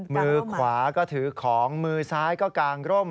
มือขวาก็ถือของมือซ้ายก็กางร่ม